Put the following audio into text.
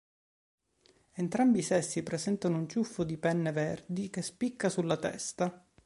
Entrambi i sessi presentano un ciuffo di penne verdi che spicca sulla testa.